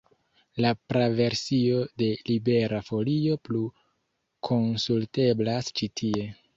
La praversio de Libera Folio plu konsulteblas ĉi tie.